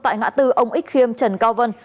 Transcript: tại ngã tư ông ích khiêm trần cao vân